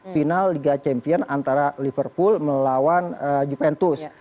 final liga champion antara liverpool melawan juventus